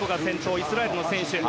イスラエルの選手。